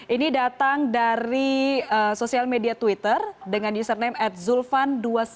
ini datang dari sosial media twitter dengan username at zulfan dua sembilan delapan sembilan enam delapan lima tiga